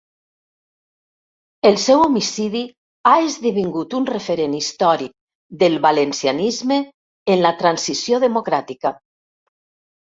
El seu homicidi ha esdevingut un referent històric del valencianisme en la transició democràtica.